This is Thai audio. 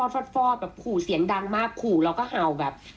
ฟอดแบบขู่เสียงดังมากขู่แล้วก็เห่าแบบ